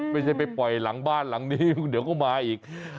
ไม่ใช่ไปปล่อยหลังบ้านหลังนี้เดี๋ยวก็มาอีก